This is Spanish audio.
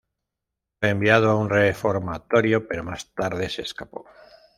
Fue enviado a un reformatorio, pero más tarde se escapó.